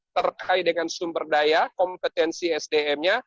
terkait dengan sumber daya kompetensi sdm nya